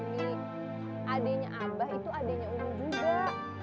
udah jadi suami istri kan sekarang